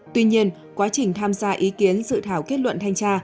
tuy nhiên quá trình tham gia ý kiến dự thảo kết luận thanh tra